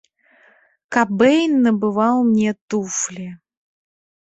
Кабэйн набываў мне туфлі.